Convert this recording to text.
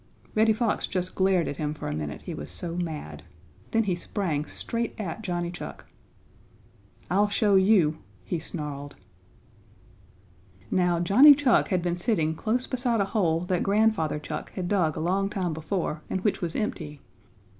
Reddy Fox just glared at him for a minute, he was so mad. Then he sprang straight at Johnny Chuck. "I'll show you!" he snarled. Now Johnny Chuck had been sitting close beside a hole that Grandfather Chuck had dug a long time before and which was empty.